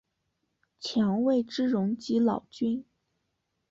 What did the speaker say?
强为之容即老君。